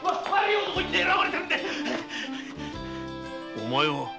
お前は？